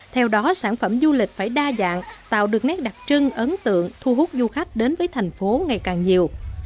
theo đó sản phẩm du lịch phải đa dạng tạo được nét đặc trưng ấn tượng thu hút du khách đến với thành phố ngày càng nhiều